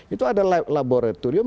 itu ada laboratorium